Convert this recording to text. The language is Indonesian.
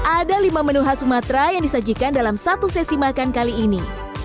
ada lima menu khas sumatera yang disajikan dalam satu sesi makan kali ini